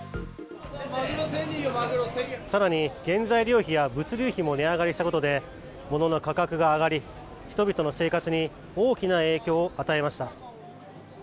更に、原材料費や物流費も値上がりしたことでものの価格が上がり人々の生活に大きな影響を与えました。